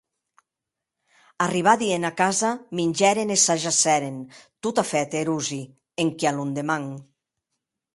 Arribadi ena casa, mingèren e s’ajacèren, totafèt erosi, enquia londeman.